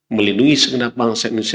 melindungi segenap bangsa indonesia